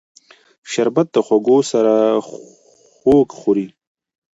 شربت د خوږو سره خوږ خوري